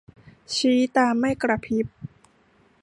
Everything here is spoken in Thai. ชี้ตาไม่กระพริบ